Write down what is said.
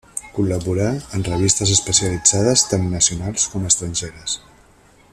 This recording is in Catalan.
Col·laborà en revistes especialitzades tant nacionals com estrangeres.